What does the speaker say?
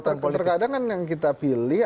terkadang kan yang kita pilih